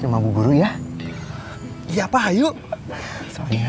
cilak cilak cilak